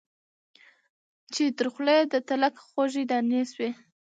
چي تر خوله یې د تلک خوږې دانې سوې